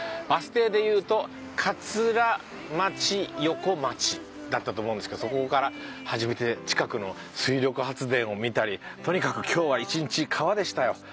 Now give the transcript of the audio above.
バス停でいうと桂町横町だったと思うんですけどそこから始めて近くの水力発電を見たりとにかく今日は一日川でしたよ。